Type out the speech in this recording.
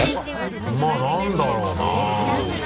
まぁ何だろうな？